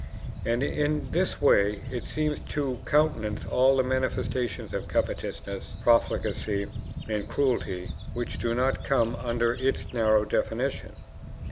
And in this way it seems to countenance all the manifestations of covetousness, profligacy, and cruelty which do not come under its narrow definition.